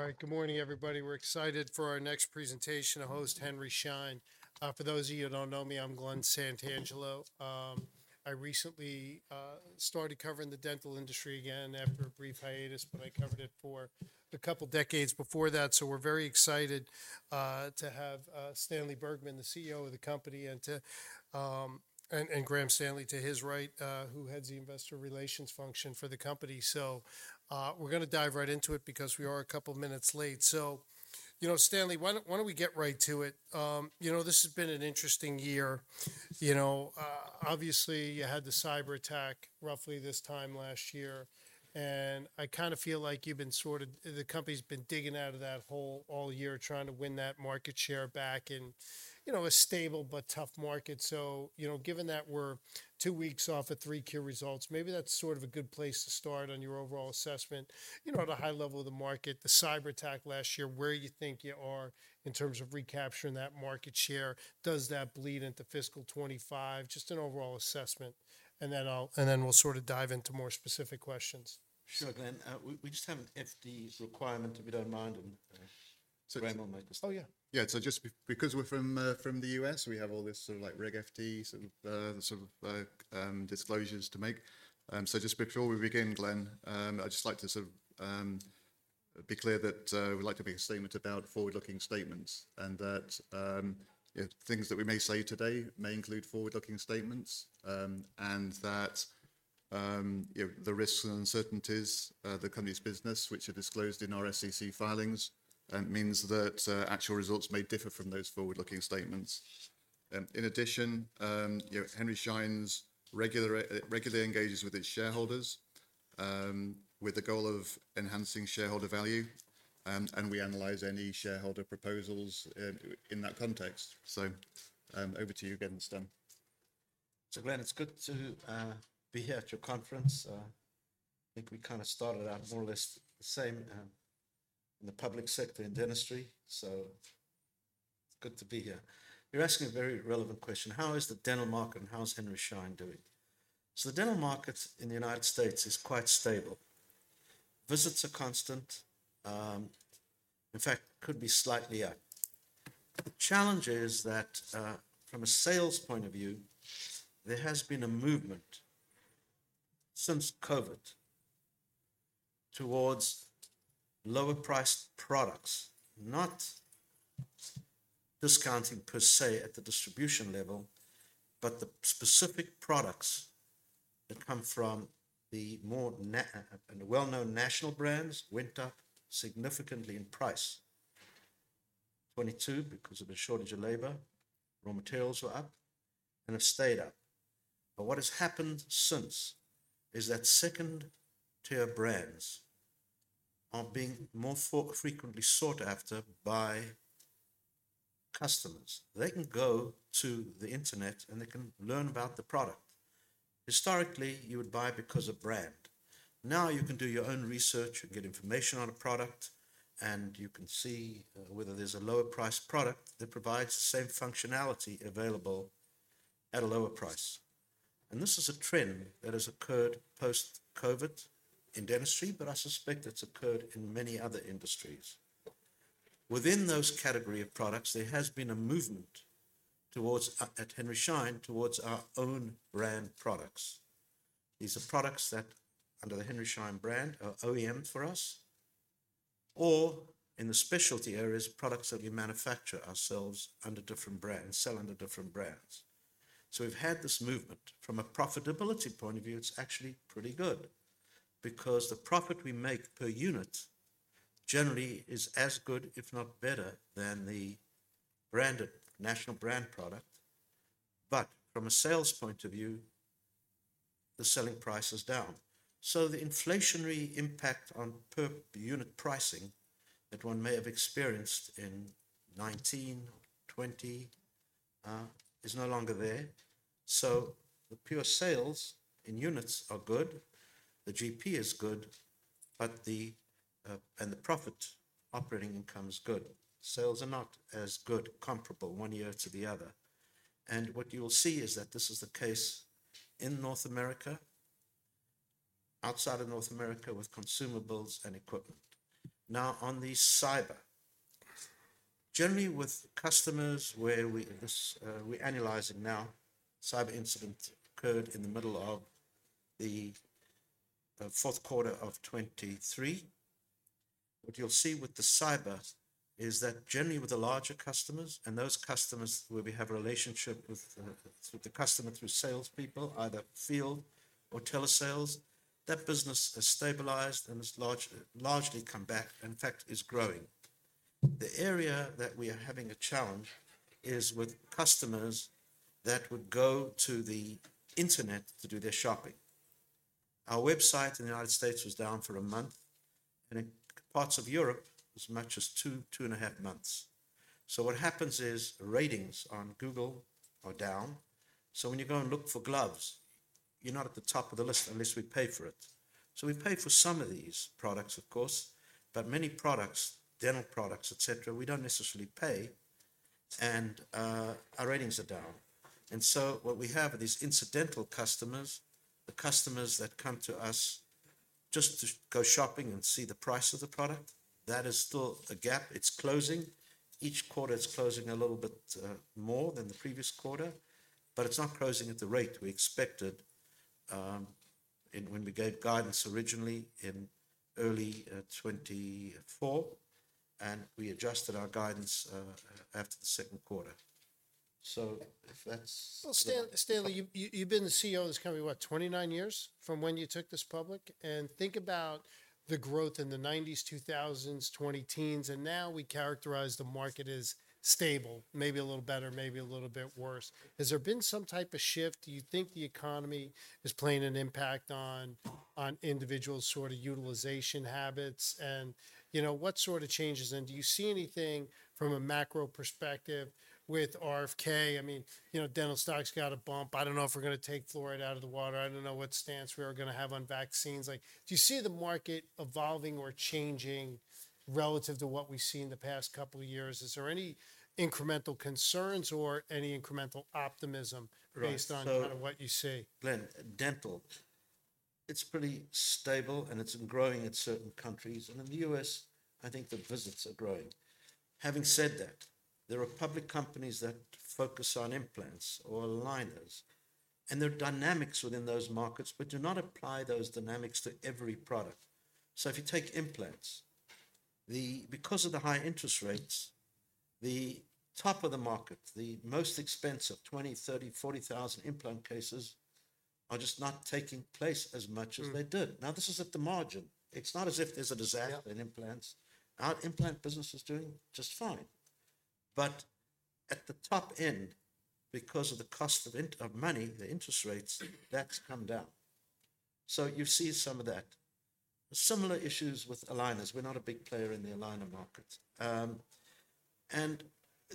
All right, good morning, everybody. We're excited for our next presentation to host Henry Schein. For those of you who don't know me, I'm Glen Santangelo. I recently started covering the dental industry again after a brief hiatus, but I covered it for a couple of decades before that. So we're very excited to have Stanley Bergman, the CEO of the company, and Graham Stanley to his right, who heads the investor relations function for the company. So we're going to dive right into it because we are a couple of minutes late. So, you know, Stanley, why don't we get right to it? You know, this has been an interesting year. You know, obviously, you had the cyber attack roughly this time last year. I kind of feel like you've been sort of, the company's been digging out of that hole all year, trying to win that market share back in a stable but tough market. So, you know, given that we're two weeks off of 3Q results, maybe that's sort of a good place to start on your overall assessment. You know, at a high level of the market, the cyber attack last year, where you think you are in terms of recapturing that market share? Does that bleed into fiscal 2025? Just an overall assessment. Then we'll sort of dive into more specific questions. Sure, Glen. We just have an FD requirement, if you don't mind, and Graham might just. Oh, yeah. Yeah, so just because we're from the U.S., we have all this sort of like Reg FD sort of disclosures to make. So just before we begin, Glen, I'd just like to sort of be clear that we'd like to make a statement about forward-looking statements and that things that we may say today may include forward-looking statements and that the risks and uncertainties of the company's business, which are disclosed in our SEC filings, means that actual results may differ from those forward-looking statements. In addition, Henry Schein regularly engages with its shareholders with the goal of enhancing shareholder value, and we analyze any shareholder proposals in that context. So over to you again, Stan. So, Glen, it's good to be here at your conference. I think we kind of started out more or less the same in the public sector, in dentistry. So it's good to be here. You're asking a very relevant question. How is the dental market and how is Henry Schein doing? So the dental market in the United States is quite stable. Visits are constant. In fact, could be slightly up. The challenge is that from a sales point of view, there has been a movement since COVID towards lower-priced products, not discounting per se at the distribution level, but the specific products that come from the more well-known national brands went up significantly in price in 2022, because of the shortage of labor, raw materials were up and have stayed up. But what has happened since is that second-tier brands are being more frequently sought after by customers. They can go to the internet and they can learn about the product. Historically, you would buy because of brand. Now you can do your own research and get information on a product, and you can see whether there's a lower-priced product that provides the same functionality available at a lower price, and this is a trend that has occurred post-COVID in dentistry, but I suspect it's occurred in many other industries. Within those categories of products, there has been a movement towards at Henry Schein towards our own brand products. These are products that under the Henry Schein brand are OEM for us, or in the specialty areas, products that we manufacture ourselves under different brands, sell under different brands, so we've had this movement. From a profitability point of view, it's actually pretty good because the profit we make per unit generally is as good, if not better, than the branded national brand product. But from a sales point of view, the selling price is down. So the inflationary impact on per unit pricing that one may have experienced in 2019, 2020 is no longer there. So the pure sales in units are good. The GP is good, and the profit operating income is good. Sales are not as good, comparable one year to the other. And what you'll see is that this is the case in North America, outside of North America with consumables and equipment. Now, on the cyber, generally with customers where we're analyzing now, cyber incident occurred in the middle of the fourth quarter of 2023. What you'll see with the cyber is that generally with the larger customers, and those customers where we have a relationship with the customer through salespeople, either field or telesales, that business has stabilized and has largely come back and, in fact, is growing. The area that we are having a challenge is with customers that would go to the internet to do their shopping. Our website in the United States was down for a month, and in parts of Europe, as much as two, two and a half months. So what happens is ratings on Google are down. So when you go and look for gloves, you're not at the top of the list unless we pay for it. So we pay for some of these products, of course, but many products, dental products, etc., we don't necessarily pay, and our ratings are down. And so what we have are these incidental customers, the customers that come to us just to go shopping and see the price of the product. That is still a gap. It's closing. Each quarter is closing a little bit more than the previous quarter, but it's not closing at the rate we expected when we gave guidance originally in early 2024, and we adjusted our guidance after the second quarter. So if that's. Stanley, you've been the CEO of this company for what, 29 years from when you took this public? Think about the growth in the 1990s, 2000s, 2010s, and now we characterize the market as stable, maybe a little better, maybe a little bit worse. Has there been some type of shift? Do you think the economy is playing an impact on individual sort of utilization habits? And what sort of changes? And do you see anything from a macro perspective with RFK? I mean, dental stocks got a bump. I don't know if we're going to take fluoride out of the water. I don't know what stance we are going to have on vaccines. Do you see the market evolving or changing relative to what we see in the past couple of years? Is there any incremental concerns or any incremental optimism based on kind of what you see? Glen, dental, it's pretty stable and it's growing in certain countries, and in the U.S., I think the visits are growing. Having said that, there are public companies that focus on implants or aligners, and there are dynamics within those markets, but do not apply those dynamics to every product, so if you take implants, because of the high interest rates, the top of the market, the most expensive $20,000, $30,000, $40,000 implant cases are just not taking place as much as they did. Now, this is at the margin. It's not as if there's a disaster in implants. Our implant business is doing just fine, but at the top end, because of the cost of money, the interest rates, that's come down, so you see some of that. Similar issues with aligners. We're not a big player in the aligner market.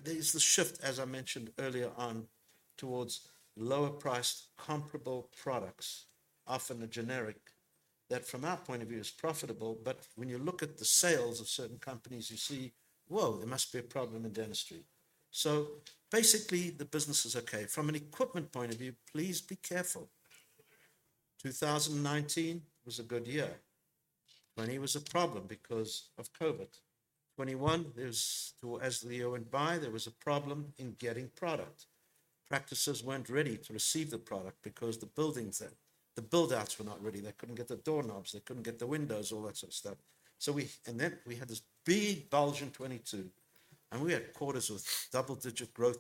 There's the shift, as I mentioned earlier on, towards lower-priced, comparable products, often the generic that from our point of view is profitable, but when you look at the sales of certain companies, you see, whoa, there must be a problem in dentistry. Basically, the business is okay. From an equipment point of view, please be careful. 2019 was a good year. 2020 was a problem because of COVID. 2021, as the year went by, there was a problem in getting product. Practices weren't ready to receive the product because the buildings, the buildouts were not ready. They couldn't get the doorknobs. They couldn't get the windows, all that sort of stuff. We had this big bulge in 2022, and we had quarters with double-digit growth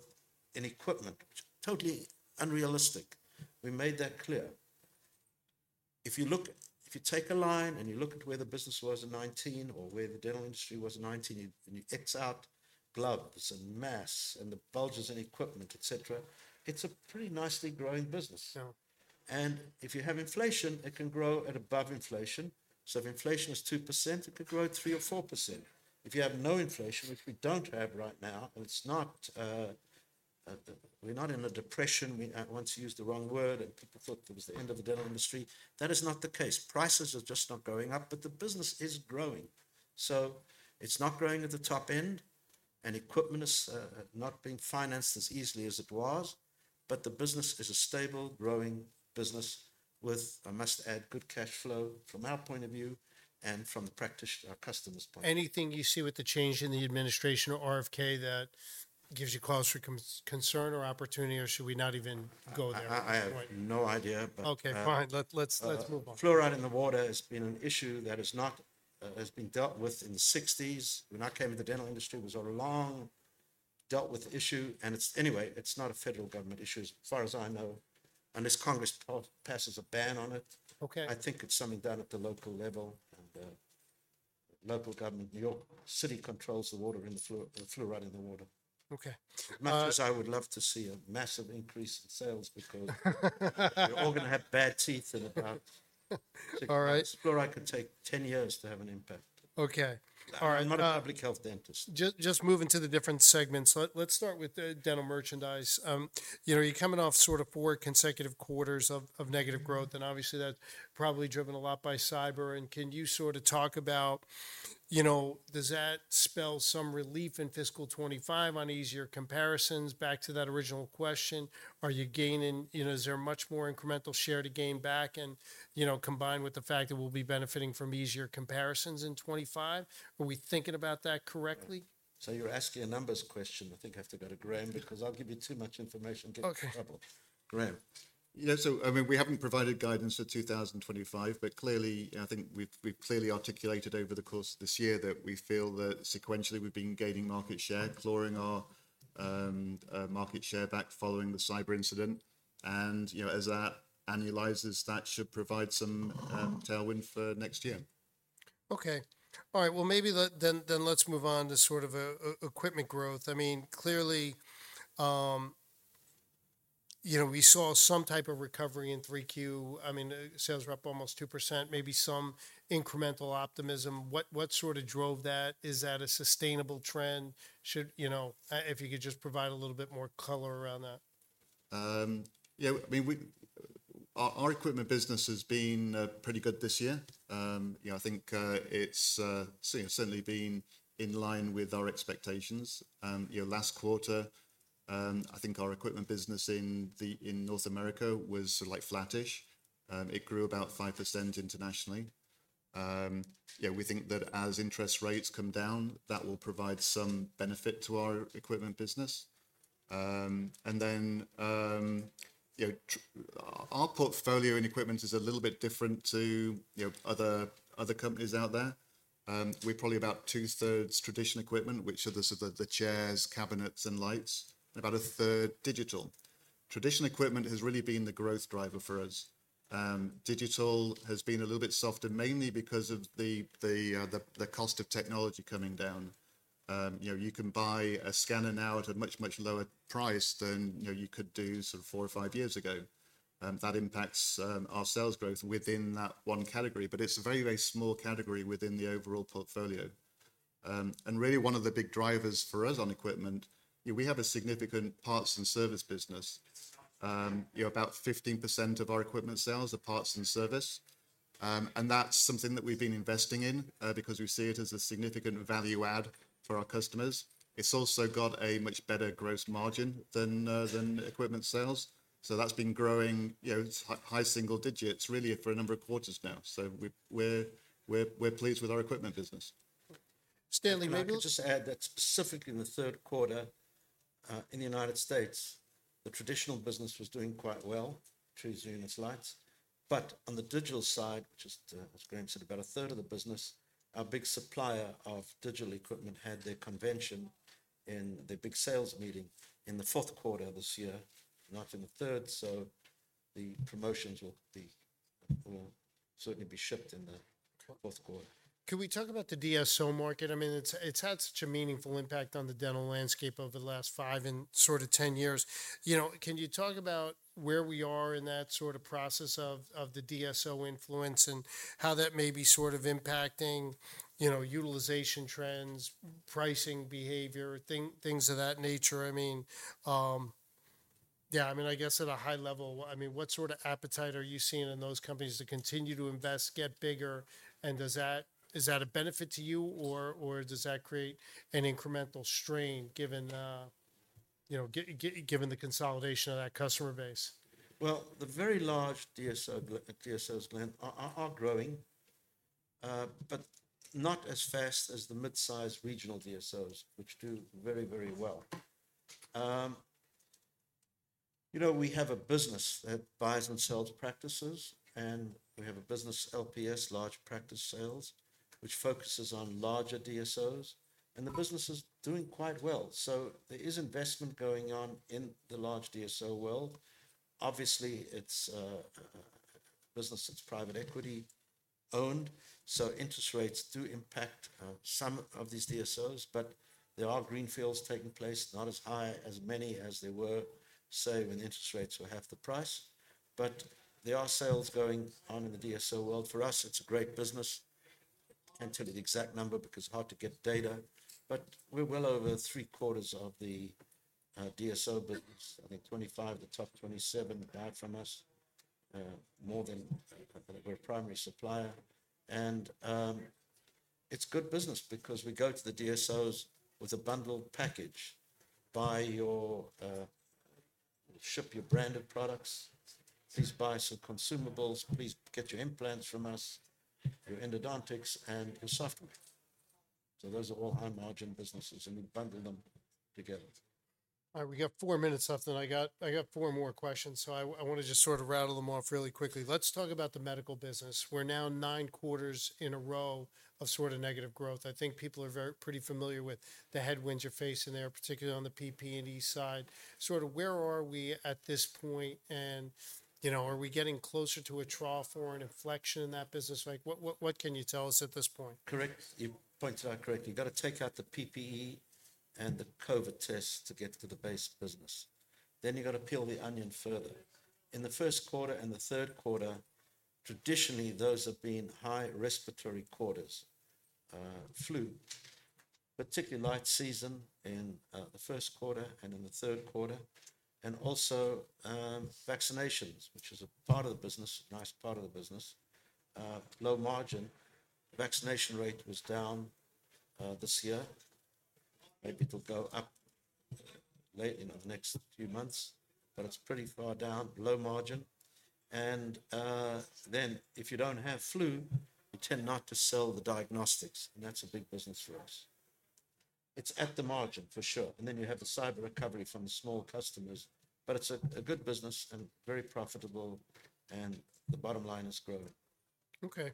in equipment, totally unrealistic. We made that clear. If you take a line and you look at where the business was in 2019 or where the dental industry was in 2019, and you X out gloves, there's a mask and the bulge is in equipment, etc., it's a pretty nicely growing business, and if you have inflation, it can grow at above inflation. So if inflation is 2%, it could grow 3% or 4%. If you have no inflation, which we don't have right now, and we're not in a depression, we once used the wrong word, and people thought it was the end of the dental industry, that is not the case. Prices are just not going up, but the business is growing. So it's not growing at the top end, and equipment is not being financed as easily as it was, but the business is a stable, growing business with, I must add, good cash flow from our point of view and from the practitioner, our customer's point of view. Anything you see with the change in the administration or RFK that gives you cause for concern or opportunity, or should we not even go there? I have no idea, but. Okay, fine. Let's move on. Fluoride in the water has been an issue that has been dealt with in the 1960s. When I came into the dental industry, it was a long-dealt-with issue. And anyway, it's not a federal government issue, as far as I know, unless Congress passes a ban on it. I think it's something done at the local level, and local government, New York City, controls the water and the fluoride in the water. Okay. As much as I would love to see a massive increase in sales because we're all going to have bad teeth in about six months. Fluoride could take 10 years to have an impact. Okay. All right. I'm not a public health dentist. Just moving to the different segments. Let's start with dental merchandise. You're coming off sort of four consecutive quarters of negative growth, and obviously that's probably driven a lot by cyber, and can you sort of talk about does that spell some relief in fiscal 2025 on easier comparisons? Back to that original question, are you gaining? Is there much more incremental share to gain back and combined with the fact that we'll be benefiting from easier comparisons in 2025? Are we thinking about that correctly? So you're asking a numbers question. I think I have to go to Graham because I'll give you too much information, get in trouble. Okay. Graham. Yeah, so I mean, we haven't provided guidance for 2025, but clearly, I think we've clearly articulated over the course of this year that we feel that sequentially we've been gaining market share, clawing our market share back following the cyber incident, and as that annualizes, that should provide some tailwind for next year. Okay. All right. Well, maybe then let's move on to sort of equipment growth. I mean, clearly, we saw some type of recovery in 3Q. I mean, sales were up almost 2%, maybe some incremental optimism. What sort of drove that? Is that a sustainable trend? If you could just provide a little bit more color around that. Yeah. I mean, our equipment business has been pretty good this year. I think it's certainly been in line with our expectations. Last quarter, I think our equipment business in North America was like flattish. It grew about 5% internationally. We think that as interest rates come down, that will provide some benefit to our equipment business. And then our portfolio in equipment is a little bit different to other companies out there. We're probably about two-thirds traditional equipment, which are the chairs, cabinets, and lights, and about a third digital. Traditional equipment has really been the growth driver for us. Digital has been a little bit softer, mainly because of the cost of technology coming down. You can buy a scanner now at a much, much lower price than you could do sort of four or five years ago. That impacts our sales growth within that one category, but it's a very, very small category within the overall portfolio, and really, one of the big drivers for us on equipment, we have a significant parts and service business. About 15% of our equipment sales are parts and service, and that's something that we've been investing in because we see it as a significant value add for our customers. It's also got a much better gross margin than equipment sales, so that's been growing high single digits really for a number of quarters now, so we're pleased with our equipment business. Stanley, maybe you'll. I'll just add that specifically in the third quarter in the United States, the traditional business was doing quite well, two units light. But on the digital side, which is, as Graham said, about a third of the business, our big supplier of digital equipment had their convention and their big sales meeting in the fourth quarter of this year, not in the third. So the promotions will certainly be shipped in the fourth quarter. Can we talk about the DSO market? I mean, it's had such a meaningful impact on the dental landscape over the last five and sort of 10 years. Can you talk about where we are in that sort of process of the DSO influence and how that may be sort of impacting utilization trends, pricing behavior, things of that nature? I mean, yeah, I mean, I guess at a high level, I mean, what sort of appetite are you seeing in those companies to continue to invest, get bigger? And is that a benefit to you, or does that create an incremental strain given the consolidation of that customer base? The very large DSOs, Glen, are growing, but not as fast as the mid-size regional DSOs, which do very, very well. We have a business that buys and sells practices, and we have a business, LPS, Large Practice Sales, which focuses on larger DSOs, and the business is doing quite well. There is investment going on in the large DSO world. Obviously, it's a business that's private equity owned, so interest rates do impact some of these DSOs, but there are greenfields taking place, not as many as there were, say, when interest rates were half the price. There are sales going on in the DSO world. For us, it's a great business. I can't tell you the exact number because it's hard to get data, but we're well over three-quarters of the DSO business. I think 25 of the top 27 buy from us. More than we're a primary supplier. And it's good business because we go to the DSOs with a bundled package. Buy your Schein branded products. Please buy some consumables. Please get your implants from us, your endodontics, and your software. So those are all high-margin businesses, and we bundle them together. All right. We got four minutes left, and I got four more questions, so I want to just sort of rattle them off really quickly. Let's talk about the medical business. We're now nine quarters in a row of sort of negative growth. I think people are pretty familiar with the headwinds you're facing there, particularly on the PPE side. Sort of where are we at this point, and are we getting closer to a trial for an inflection in that business? What can you tell us at this point? Correct. Your points are correct. You've got to take out the PPE and the COVID tests to get to the base business. Then you've got to peel the onion further. In the first quarter and the third quarter, traditionally, those have been high respiratory quarters, flu, particularly flu season in the first quarter and in the third quarter, and also vaccinations, which is a part of the business, a nice part of the business. Low margin. Vaccination rate was down this year. Maybe it'll go up in the next few months, but it's pretty far down, low margin. And then if you don't have flu, you tend not to sell the diagnostics, and that's a big business for us. It's at the margin, for sure. And then you have the cyber recovery from the small customers, but it's a good business and very profitable, and the bottom line is growing. Okay.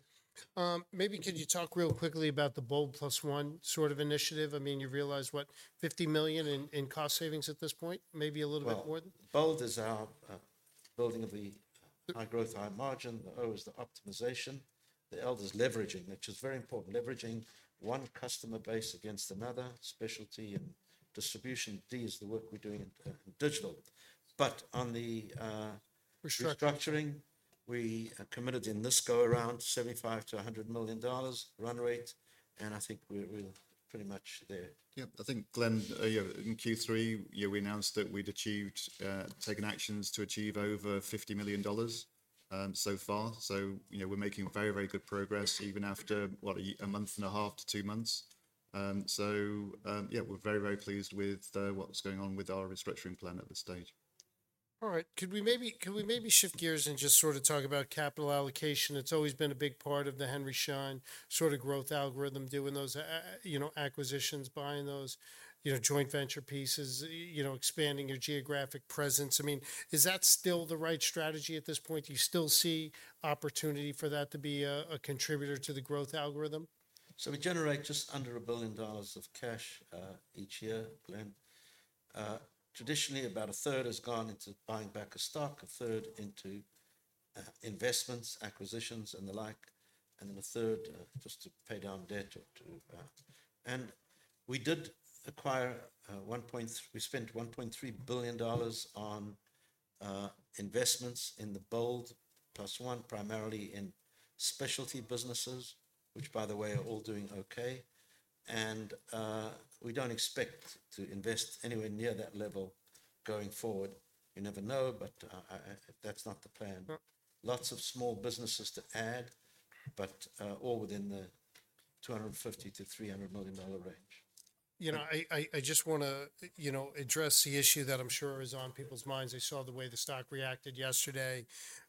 Maybe could you talk real quickly about the BOLD+1 sort of initiative? I mean, you realize what, $50 million in cost savings at this point? Maybe a little bit more than that? BOLD is our building of the high growth, high margin. The O is the optimization. The L is leveraging, which is very important. Leveraging one customer base against another, specialty and distribution. D is the work we're doing in digital. But on the restructuring, we committed in this go around $75 million-$100 million run rate, and I think we're pretty much there. Yeah. I think, Glen, in Q3, we announced that we'd taken actions to achieve over $50 million so far. So we're making very, very good progress even after a month and a half to 2 months. So yeah, we're very, very pleased with what's going on with our restructuring plan at this stage. All right. Could we maybe shift gears and just sort of talk about capital allocation? It's always been a big part of the Henry Schein sort of growth algorithm, doing those acquisitions, buying those joint venture pieces, expanding your geographic presence. I mean, is that still the right strategy at this point? Do you still see opportunity for that to be a contributor to the growth algorithm? We generate just under $1 billion of cash each year, Glen. Traditionally, about a third has gone into buying back a stock, a third into investments, acquisitions, and the like, and then a third just to pay down debt. And we did acquire $1.3 billion on investments in the BOLD+1, primarily in specialty businesses, which, by the way, are all doing okay. And we don't expect to invest anywhere near that level going forward. You never know, but that's not the plan. Lots of small businesses to add, but all within the $250 million-$300 million range. I just want to address the issue that I'm sure is on people's minds. I saw the way the stock reacted yesterday,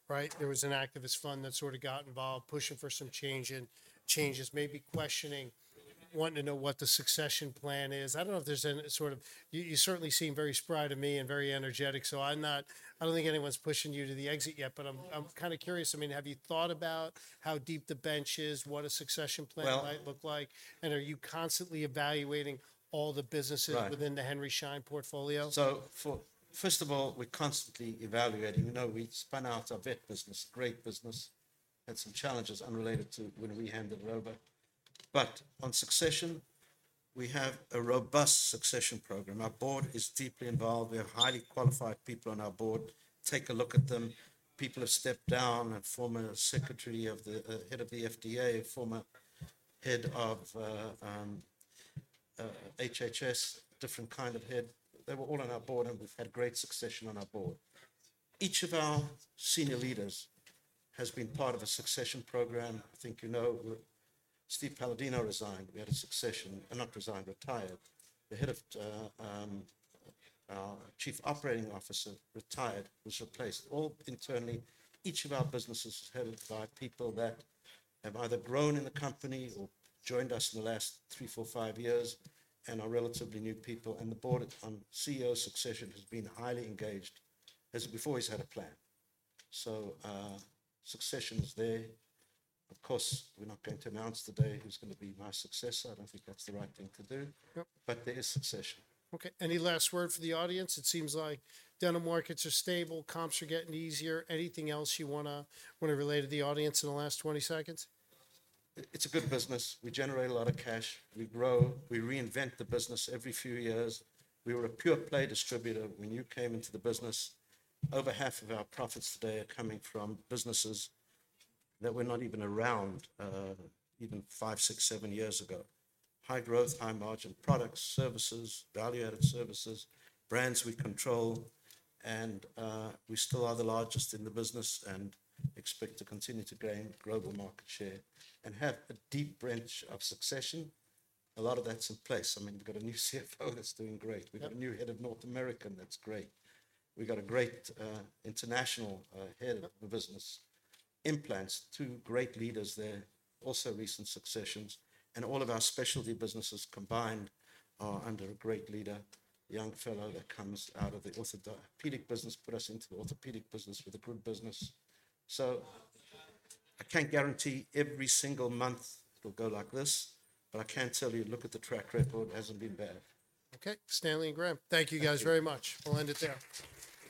right? There was an activist fund that sort of got involved, pushing for some changes, maybe questioning, wanting to know what the succession plan is. I don't know if there's any sort of. You certainly seem very spry to me and very energetic, so I don't think anyone's pushing you to the exit yet, but I'm kind of curious. I mean, have you thought about how deep the bench is, what a succession plan might look like, and are you constantly evaluating all the businesses within the Henry Schein portfolio? So first of all, we're constantly evaluating. We spun out our vet business, great business, had some challenges unrelated to when we handed it over. But on succession, we have a robust succession program. Our board is deeply involved. We have highly qualified people on our board. Take a look at them. People have stepped down, a former secretary of the head of the FDA, a former head of HHS, different kind of head. They were all on our board, and we've had great succession on our board. Each of our senior leaders has been part of a succession program. I think you know Steve Paladino resigned. We had a succession, not resigned, retired. The head of our Chief Operating Officer retired, was replaced. All internally, each of our businesses is headed by people that have either grown in the company or joined us in the last three, four, five years and are relatively new people. And the board on CEO succession has been highly engaged. As before, he's had a plan. So succession is there. Of course, we're not going to announce today who's going to be my successor. I don't think that's the right thing to do, but there is succession. Okay. Any last word for the audience? It seems like dental markets are stable. Comps are getting easier. Anything else you want to relay to the audience in the last 20 seconds? It's a good business. We generate a lot of cash. We grow. We reinvent the business every few years. We were a pure-play distributor when you came into the business. Over half of our profits today are coming from businesses that were not even around even five, six, seven years ago. High growth, high margin products, services, value-added services, brands we control, and we still are the largest in the business and expect to continue to gain global market share and have a deep bench of succession. A lot of that's in place. I mean, we've got a new CFO that's doing great. We've got a new head of North America that's great. We've got a great international head of the business. Implants, two great leaders there. Also recent successions. And all of our specialty businesses combined are under a great leader, young fellow that comes out of the orthopedic business, put us into the orthopedic business with a good business. So I can't guarantee every single month it'll go like this, but I can tell you, look at the track record, it hasn't been bad. Okay. Stanley and Graham, thank you guys very much. We'll end it there.